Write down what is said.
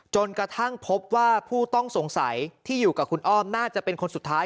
จนกระทั่งพบว่าผู้ต้องสงสัยที่อยู่กับคุณอ้อมน่าจะเป็นคนสุดท้าย